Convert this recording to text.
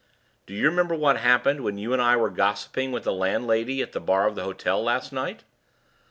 "Do you remember what happened when you and I were gossiping with the landlady at the bar of the hotel last night?"